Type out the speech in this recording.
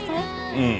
うん。